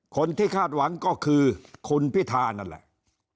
คาดหวังก็คือคุณพิธานั่นแหละ